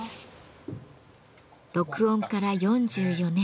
録音から４４年。